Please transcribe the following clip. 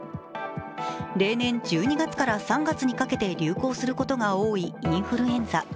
例年１２月から３月にかけて流行することが多いインフルエンザ。